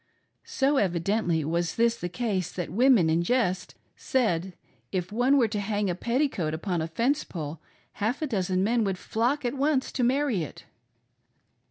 So evidently was this the case that women in jest said that, if one were to hang a petticoat upon a fence pole, half a dozen men would flock at once to marry it